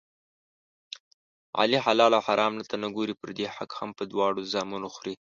علي حلال او حرام ته نه ګوري، پردی حق هم په دواړو زامو خوري.